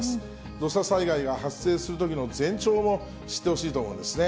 土砂災害が発生するときの前兆も知ってほしいと思うんですね。